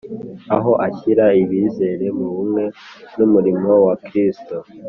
aho ashyira abizera mu bumwe n'umurimo wa Kristo